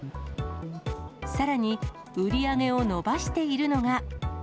さらに、売り上げを伸ばしているのが。